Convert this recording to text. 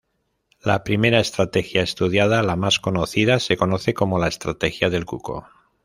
La primera estrategia estudiada, la más conocida se conoce como la "estrategia del Cuco".